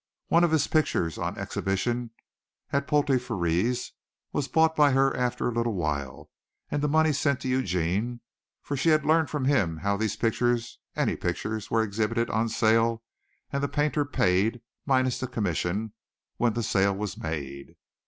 One of his pictures on exhibition at Pottle Frères was bought by her after a little while and the money sent to Eugene, for she had learned from him how these pictures, any pictures, were exhibited on sale and the painter paid, minus the commission, when the sale was made.